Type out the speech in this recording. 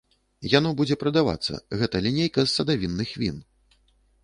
Яно будзе прадавацца, гэта лінейка з садавінных він.